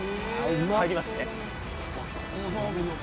入りますね。